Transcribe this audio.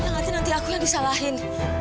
nanti aku yang disalahin